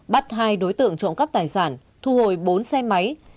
bắt hai đối tượng trộm cắp tài sản thu hồi bốn xe máy